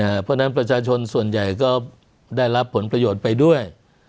เพราะฉะนั้นประชาชนส่วนใหญ่ก็ได้รับผลประโยชน์ไปด้วย